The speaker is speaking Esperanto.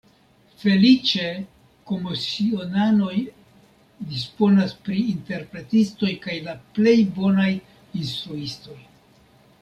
Feliĉe komisionanoj disponas pri interpretistoj kaj la plej bonaj instruistoj.